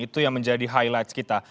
itu yang menjadi highlight kita